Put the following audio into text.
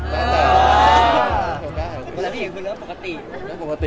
เวลาที่ก็ก็เปลี่ยนกว่าปกติ